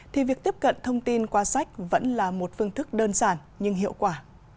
thì việc tiếp cận thông tin qua sách vẫn là một phương thức đơn giản nhưng hiệu quả